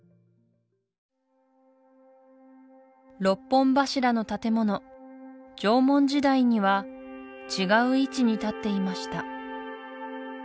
６本柱の建物縄文時代には違う位置に立っていました